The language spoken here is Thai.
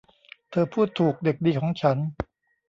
เธอพูดถูก เด็กดีของฉัน